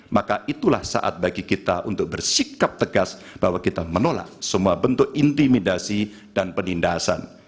maka itulah saat bagi kita untuk bersikap tegas bahwa kita menolak semua bentuk intimidasi dan penindasan